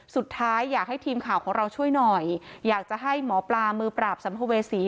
สุดท้ายอยากให้ทีมข่าวของเราช่วยหน่อยอยากจะให้หมอปลามือปราบสัมภเวษี